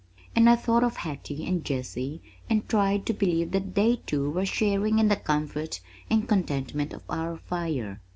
and I thought of Hattie and Jessie and tried to believe that they too were sharing in the comfort and contentment of our fire.